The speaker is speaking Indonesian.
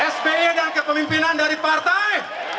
sby dan kepemimpinan dari partai